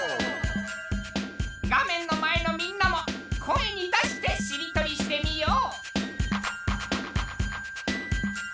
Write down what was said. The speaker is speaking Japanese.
画面の前のみんなも声に出してしりとりしてみよう！